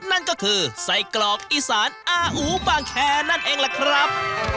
นั่นก็คือไส้กรอกอีสานอาอูบางแคร์นั่นเองล่ะครับ